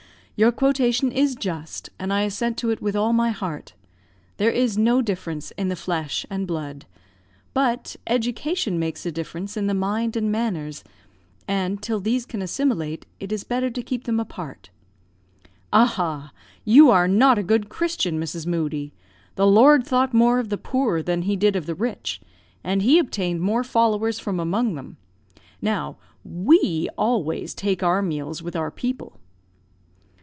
Your quotation is just, and I assent to it with all my heart. There is no difference in the flesh and blood; but education makes a difference in the mind and manners, and, till these can assimilate, it is better to keep them apart." "Ah! you are not a good Christian, Mrs. Moodie. The Lord thought more of the poor than he did of the rich, and he obtained more followers from among them. Now, we always take our meals with our people."